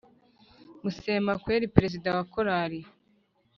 Musemakweri president wa korari